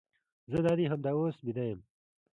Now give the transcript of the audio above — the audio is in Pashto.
زه دادي همدا اوس بیده یم.